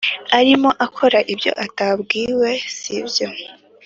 arimo akora, ibyo atabwiwe si byo?